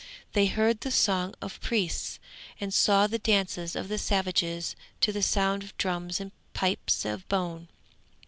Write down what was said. They heard the song of priests, and saw the dances of the savages to the sound of drums and pipes of bone.